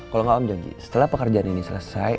kalo gak om janji setelah pekerjaan ini selesai